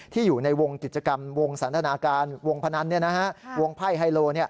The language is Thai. อยู่ในวงกิจกรรมวงสันทนาการวงพนันวงไพ่ไฮโล